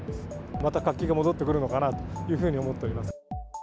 また活気が戻ってくるのかなというふうに思っております。